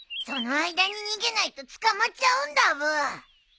その間に逃げないと捕まっちゃうんだブー。